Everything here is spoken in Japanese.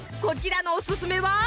こちらのオススメは？